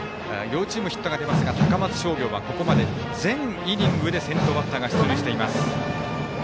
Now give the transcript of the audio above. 両チーム、ヒットが出ていますが高松商業はここまで全イニングで先頭バッター出塁しています。